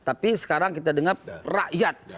tapi sekarang kita dengar rakyat